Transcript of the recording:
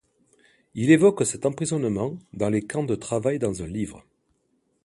Il évoque cet emprisonnement dans les camps de travail dans un livre.